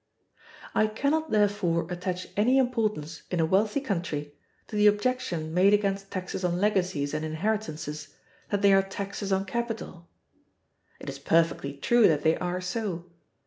I can not, therefore, attach any importance, in a wealthy country, to the objection made against taxes on legacies and inheritances, that they are taxes on capital. It is perfectly true that they are so.